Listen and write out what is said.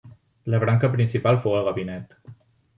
La Branca Principal fou el Gabinet.